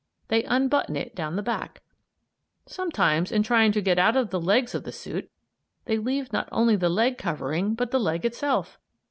They "unbutton" it down the back. Sometimes, in trying to get out of the legs of the suit, they leave not only the leg covering but the leg itself.